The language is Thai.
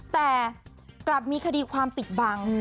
แต่กลับมีคดีความปิดบัง